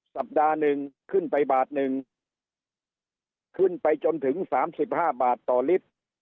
สัปดาห์หนึ่งขึ้นไปบาทหนึ่งขึ้นไปจนถึงสามสิบห้าบาทต่อลิตร